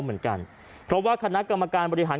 เหมือนกันเพราะว่าคณะกรรมการบริหาร